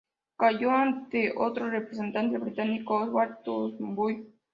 Cayó ante otro representante británico, Oswald Turnbull.